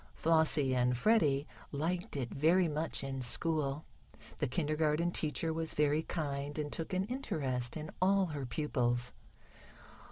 Flossie and Freddie liked it very much in school. The kindergarten teacher was very kind, and took an interest in all her pupils.